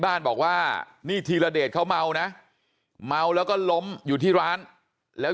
บ้านบอกว่านี่ธีรเดชเขาเมานะเมาแล้วก็ล้มอยู่ที่ร้านแล้ว